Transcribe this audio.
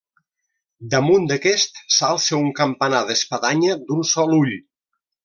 Damunt d'aquest s'alça un campanar d'espadanya d'un sol ull.